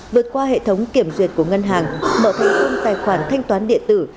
vượt qua hệ thống kiểm duyệt của ngân hàng mở thay thông tài khoản thanh toán địa tử